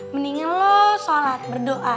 mendingan lo sholat berdoa